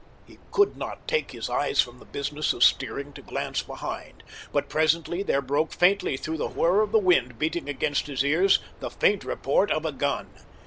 He could not take his eyes from the business of steering to glance behind; but presently there broke faintly through the whir of the wind beating against his ears the faint report of a gun.